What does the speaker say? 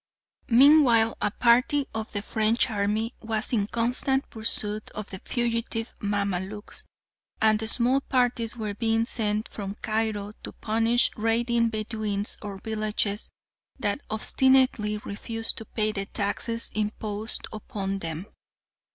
Meanwhile a party of the French army was in constant pursuit of the fugitive Mamaluks, and small parties were being sent from Cairo to punish raiding Bedouins or villages that obstinately refused to pay the taxes imposed upon them.